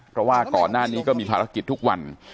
เพราะว่าก่อนหน้านี้ก็มีภารกิจทุกวัน